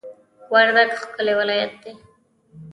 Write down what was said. وردګ ښکلی ولایت دی